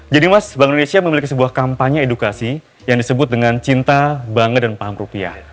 jadi mas bangun indonesia memiliki sebuah kampanye edukasi yang disebut dengan cinta bangga dan paham rupiah